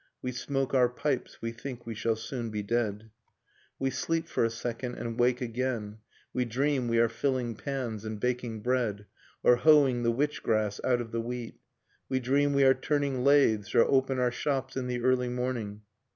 We smoke our pipes, we think we shall soon be dead, We sleep for a second, and wake again, We dream we are filling pans and baking bread, Or hoeing the witch grass out of the wheat, We dream we are turning lathes, Or open our shops, in the early morning.